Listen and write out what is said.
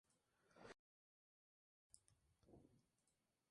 Su objetivo es ampliar al máximo su audiencia.